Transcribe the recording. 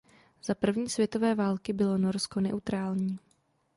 Za první světové války bylo Norsko neutrální.